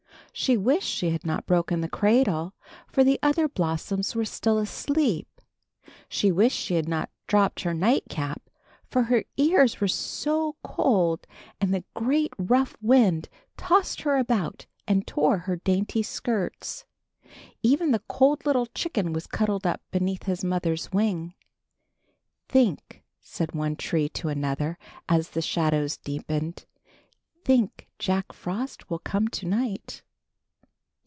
She wished she had not broken the cradle, for the other blossoms were still asleep. She wished she had not dropped her nightcap, for her ears were so cold; and the great rough wind tossed her about and tore her dainty skirts. Even the cold little chicken was cuddled up beneath his mother's wing. 96 THE FOOLISH PEACH BLOSSOM. think/' said one tree to another as the shadows deepened, think Jack Frost will come to night."